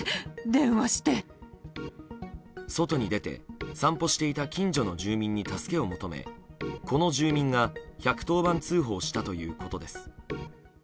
外に出て散歩していた近所の住民に助けを求め、この住民が１１０番通報したということです。